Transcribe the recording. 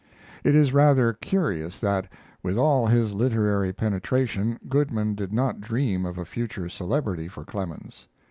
It is rather curious that with all his literary penetration Goodman did not dream of a future celebrity for Clemens.